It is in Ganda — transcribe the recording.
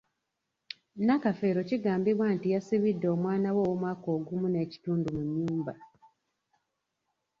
Nakafeero kigambibwa nti yasibidde omwana we ow’omwaka ogumu n’ekitundu mu nnyumba.